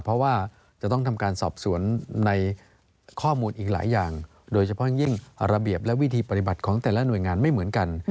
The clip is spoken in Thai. เพราะว่าจะต้องทำการสอบสวนในข้อมูลอีกหลายอย่างโดยเฉพาะอย่างยิ่งระเบียบและวิธีปฏิบัติของแต่ละหน่วยงานไม่เหมือนกัน